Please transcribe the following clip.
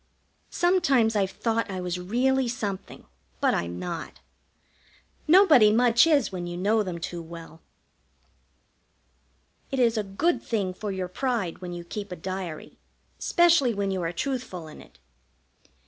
Sometimes I've thought I was really something, but I'm not. Nobody much is when you know them too well. It is a good thing for your pride when you keep a diary, specially when you are truthful in it.